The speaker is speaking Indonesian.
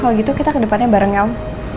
ya udah gitu kita kedepannya bareng om